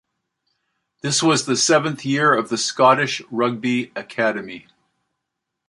This was the seventh year of the Scottish Rugby Academy.